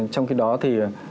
trong khi đó thì